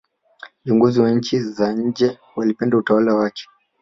viongozi wa nchi za nje walipenda utawala wake